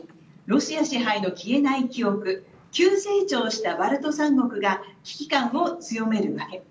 ロシア支配の消えない記憶急成長したバルト三国が危機感を強める訳。